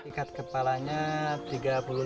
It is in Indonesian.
ikat kepalanya rp tiga puluh lima